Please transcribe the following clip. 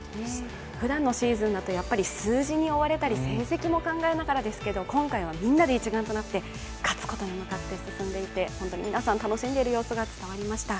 ふだんのシーズンだと数字に追われたり、戦績も考えながらですけど今回はみんなで一丸となって勝つことに向かって進んでいて本当に皆さん楽しんでいる様子が伝わりました。